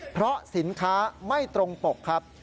เพราะสินค้าไม่ตรงปกครับ